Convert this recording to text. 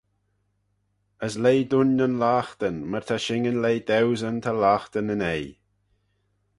As leih dooin nyn loghtyn, myr ta shinyn leih dauesyn ta loghtey nyn'oi.